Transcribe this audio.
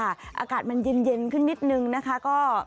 อากาศมันเย็นขึ้นนิดนึงนะคะ